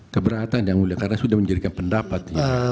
keberatan jangan ngulik karena sudah menjadikan pendapat